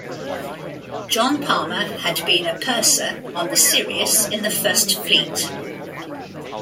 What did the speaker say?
John Palmer had been a purser on the "Sirius" in the First Fleet.